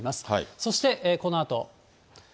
そしてこのあと。